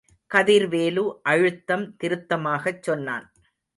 கதிர்வேலு அழுத்தம் திருத்தமாகச் சொன்னான்.